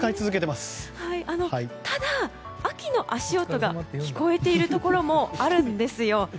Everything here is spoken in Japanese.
ただ、秋の足音が聞こえているところもあるんですよ。